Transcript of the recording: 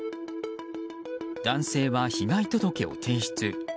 男性は被害届を提出。